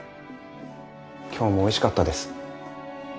今日もおいしかったです。